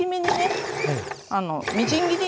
みじん切り